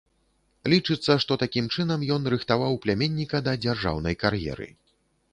Лічыцца, што такім чынам ён рыхтаваў пляменніка да дзяржаўнай кар'еры.